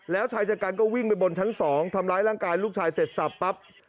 แล้วชายชะกันก็วิ่งไปบนชั้น๒ทำร้ายร่างกายลูกชายเสร็จสับปั๊บ